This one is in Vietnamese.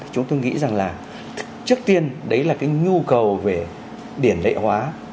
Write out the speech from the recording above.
chúng tôi nghĩ rằng là trước tiên đấy là cái nhu cầu về điển lệ hóa